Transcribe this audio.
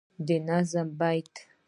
د نظم بیت دی